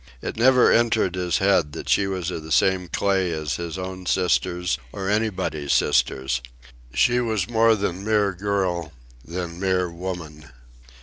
It never entered his head that she was of the same clay as his own sisters, or anybody's sister. She was more than mere girl, than mere woman.